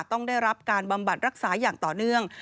ต้องได้รับการบำบัดรักษาอย่างต่อเนื่อง